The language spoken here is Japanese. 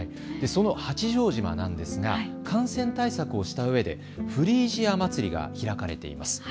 その八丈島なんですが感染対策をしたうえでフリージアまつりが開かれています。